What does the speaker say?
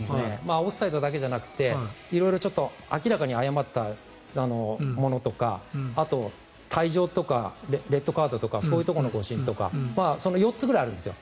オフサイドだけじゃなくて色々明らかに誤ったものとか退場とかレッドカードとかそういうところの誤審とか４つぐらいあるんですよ。